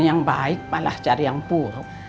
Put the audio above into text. yang baik malah cari yang buruk